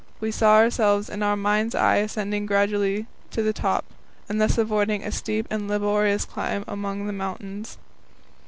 We saw ourselves in our mind's eye ascending gradually to the top, and thus avoiding a steep and laborious climb among the mountains.